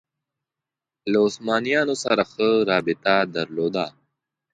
له عثمانیانو سره ښه رابطه درلوده